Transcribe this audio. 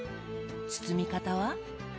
包み方は？